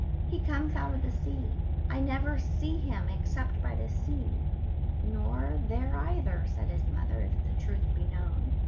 "He comes out of the sea. I never see him except by the sea." "Nor there either," said his mother, "if the truth was known."